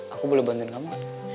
aku boleh bantuin kamu kan